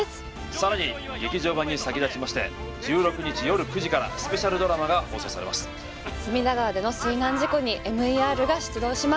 さらに劇場版に先立ちまして１６日よる９時からスペシャルドラマが放送されます隅田川での水難事故にＭＥＲが出動します